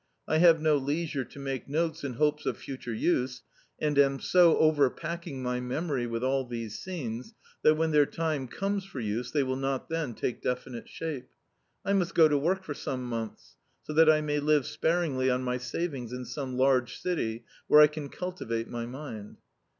I have no leisure to make notes in hopes of future use, and am so overpacking my memory with all these scenes, that when their time comes for use, they will not then take definite shape. I must go to work for some months, so that I may live sparingly on my savings in some large city, where I can cultivate my mind."